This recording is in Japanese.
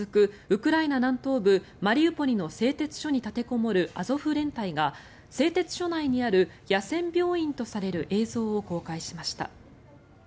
ウクライナ南東部マリウポリの製鉄所に立てこもるアゾフ連隊が製鉄所内にある野戦病院とされる映像を公開しました。